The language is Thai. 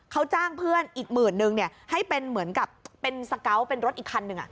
เขาจ้างเพื่อนอีกหมื่นนึงให้เป็นเหมือนกับเป็นสเกาะเป็นรถอีกคันหนึ่ง